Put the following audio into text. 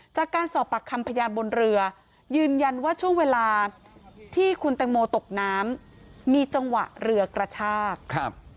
จากการสอบปากคำพยานบนเรือยืนยันว่าช่วงเวลาที่คุณแตงโมตกน้ำมีจังหวะเรือกระชากครับ